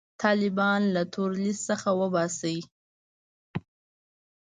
طالبان له تور لیست څخه وباسي.